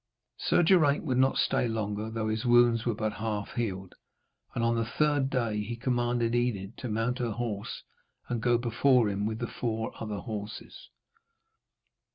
Sir Geraint would not stay longer, though his wounds were but half healed, and on the third day he commanded Enid to mount her horse and to go before him with the four other horses.